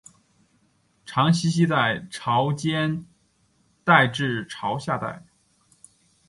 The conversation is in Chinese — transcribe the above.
常栖息在潮间带至潮下带。